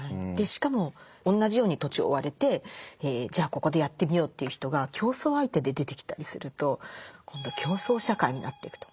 しかも同じように土地を追われてじゃあここでやってみようという人が競争相手で出てきたりすると今度は競争社会になっていくと。